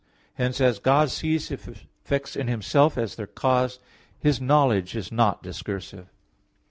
Hence as God sees His effects in Himself as their cause, His knowledge is not discursive.